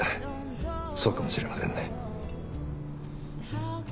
そうかもしれませんね。